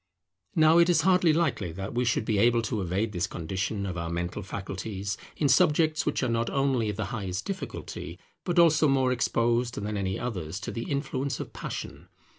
Now it is hardly likely that we should be able to evade this condition of our mental faculties in subjects which are not only of the highest difficulty, but also more exposed than any others to the influence of passion.